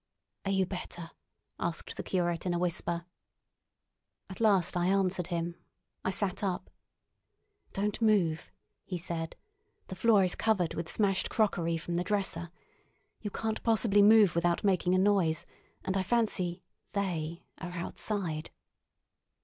"Are you better?" asked the curate in a whisper. At last I answered him. I sat up. "Don't move," he said. "The floor is covered with smashed crockery from the dresser. You can't possibly move without making a noise, and I fancy they are outside."